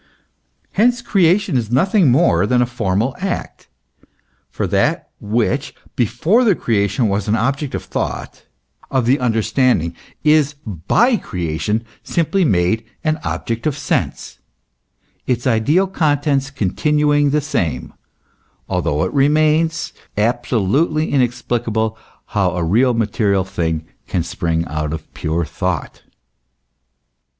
Hence, creation is nothing more 84 THE ESSENCE OF CHRISTIANITY. than a formal act ; for that which, before the creation, was an object of thought, of the understanding, is by creation simply made an object of sense, its ideal contents continuing the same ; although it remains absolutely inexplicable how a real material thing can spring out of a pure thought.